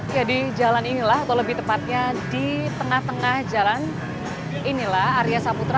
jadi jalan inilah atau lebih tepatnya di tengah tengah jalan inilah area saputra